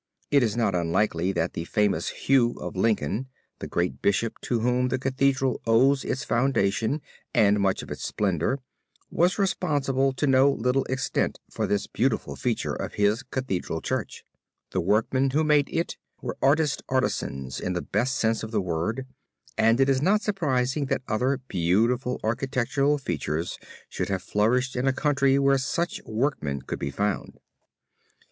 It is not unlikely that the famous Hugh of Lincoln, the great Bishop to whom the Cathedral owes its foundation and much of its splendor, was responsible to no little extent for this beautiful feature of his Cathedral church. The workmen who made it were artist artisans in the best sense of the word and it is not surprising that other beautiful architectural features should have flourished in a country where such workmen could be found.